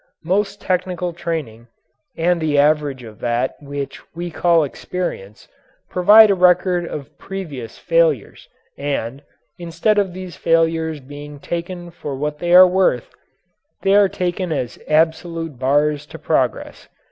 Most technical training and the average of that which we call experience, provide a record of previous failures and, instead of these failures being taken for what they are worth, they are taken as absolute bars to progress.